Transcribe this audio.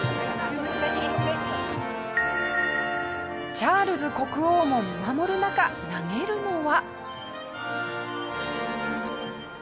チャールズ国王も見守る中投げるのは。